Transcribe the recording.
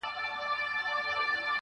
o سیاه پوسي ده، خاوري مي ژوند سه.